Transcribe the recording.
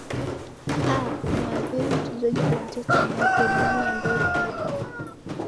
aa mwadhiri mchezaji wa manchester united nani ambaye pia